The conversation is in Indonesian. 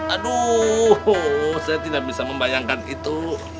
aduh saya tidak bisa membayangkan itu